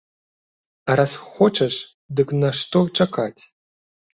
А раз хочаш, дык нашто чакаць?